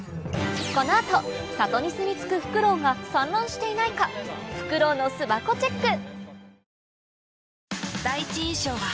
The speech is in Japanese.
この後里にすみ着くフクロウが産卵していないかフクロウの巣箱チェック